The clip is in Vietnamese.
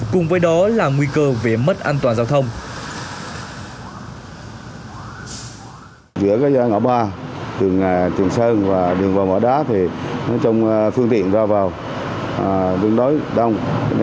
cùng với đó là nguy cơ về mất an toàn giao thông